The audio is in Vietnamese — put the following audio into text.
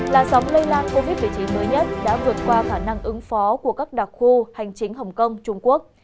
làn sóng lây lan covid một mươi chín mới nhất đã vượt qua khả năng ứng phó của các đặc khu hành chính hồng kông trung quốc